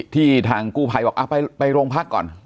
ที่ทางกูไพบอกไปโรงพักก่อน